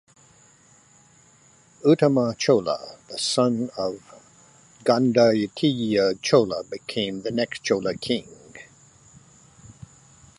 Uttama Chola, the son of Gandaraditya Chola became the next Chola king.